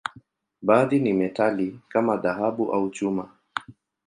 Baadhi ni metali, kama dhahabu au chuma.